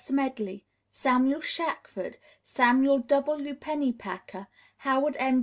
Smedley, Samuel Shackford, Samuel W. Pennypacker, Howard M.